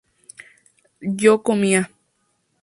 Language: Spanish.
yo comía